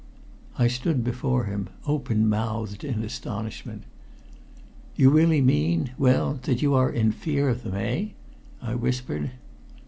I stood before him, open mouthed in astonishment. "You really mean well, that you are in fear of them eh?" I whispered.